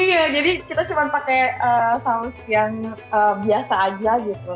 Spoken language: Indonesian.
iya jadi kita cuma pakai saus yang biasa aja gitu